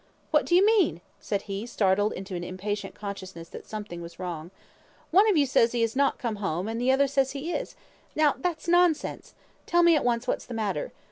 "What do you mean?" said he, startled into an impatient consciousness that something was wrong. "One of you says he is not come home, and the other says he is. Now that's nonsense! Tell me at once what's the matter.